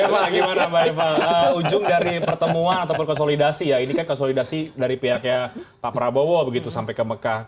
bapak eva bagaimana ujung dari pertemuan atau konsolidasi ya ini kan konsolidasi dari pihaknya pak prabowo begitu sampai ke mekah